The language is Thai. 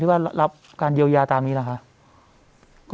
ที่ว่ารับการเยียวยาตามนี้ล่ะคะ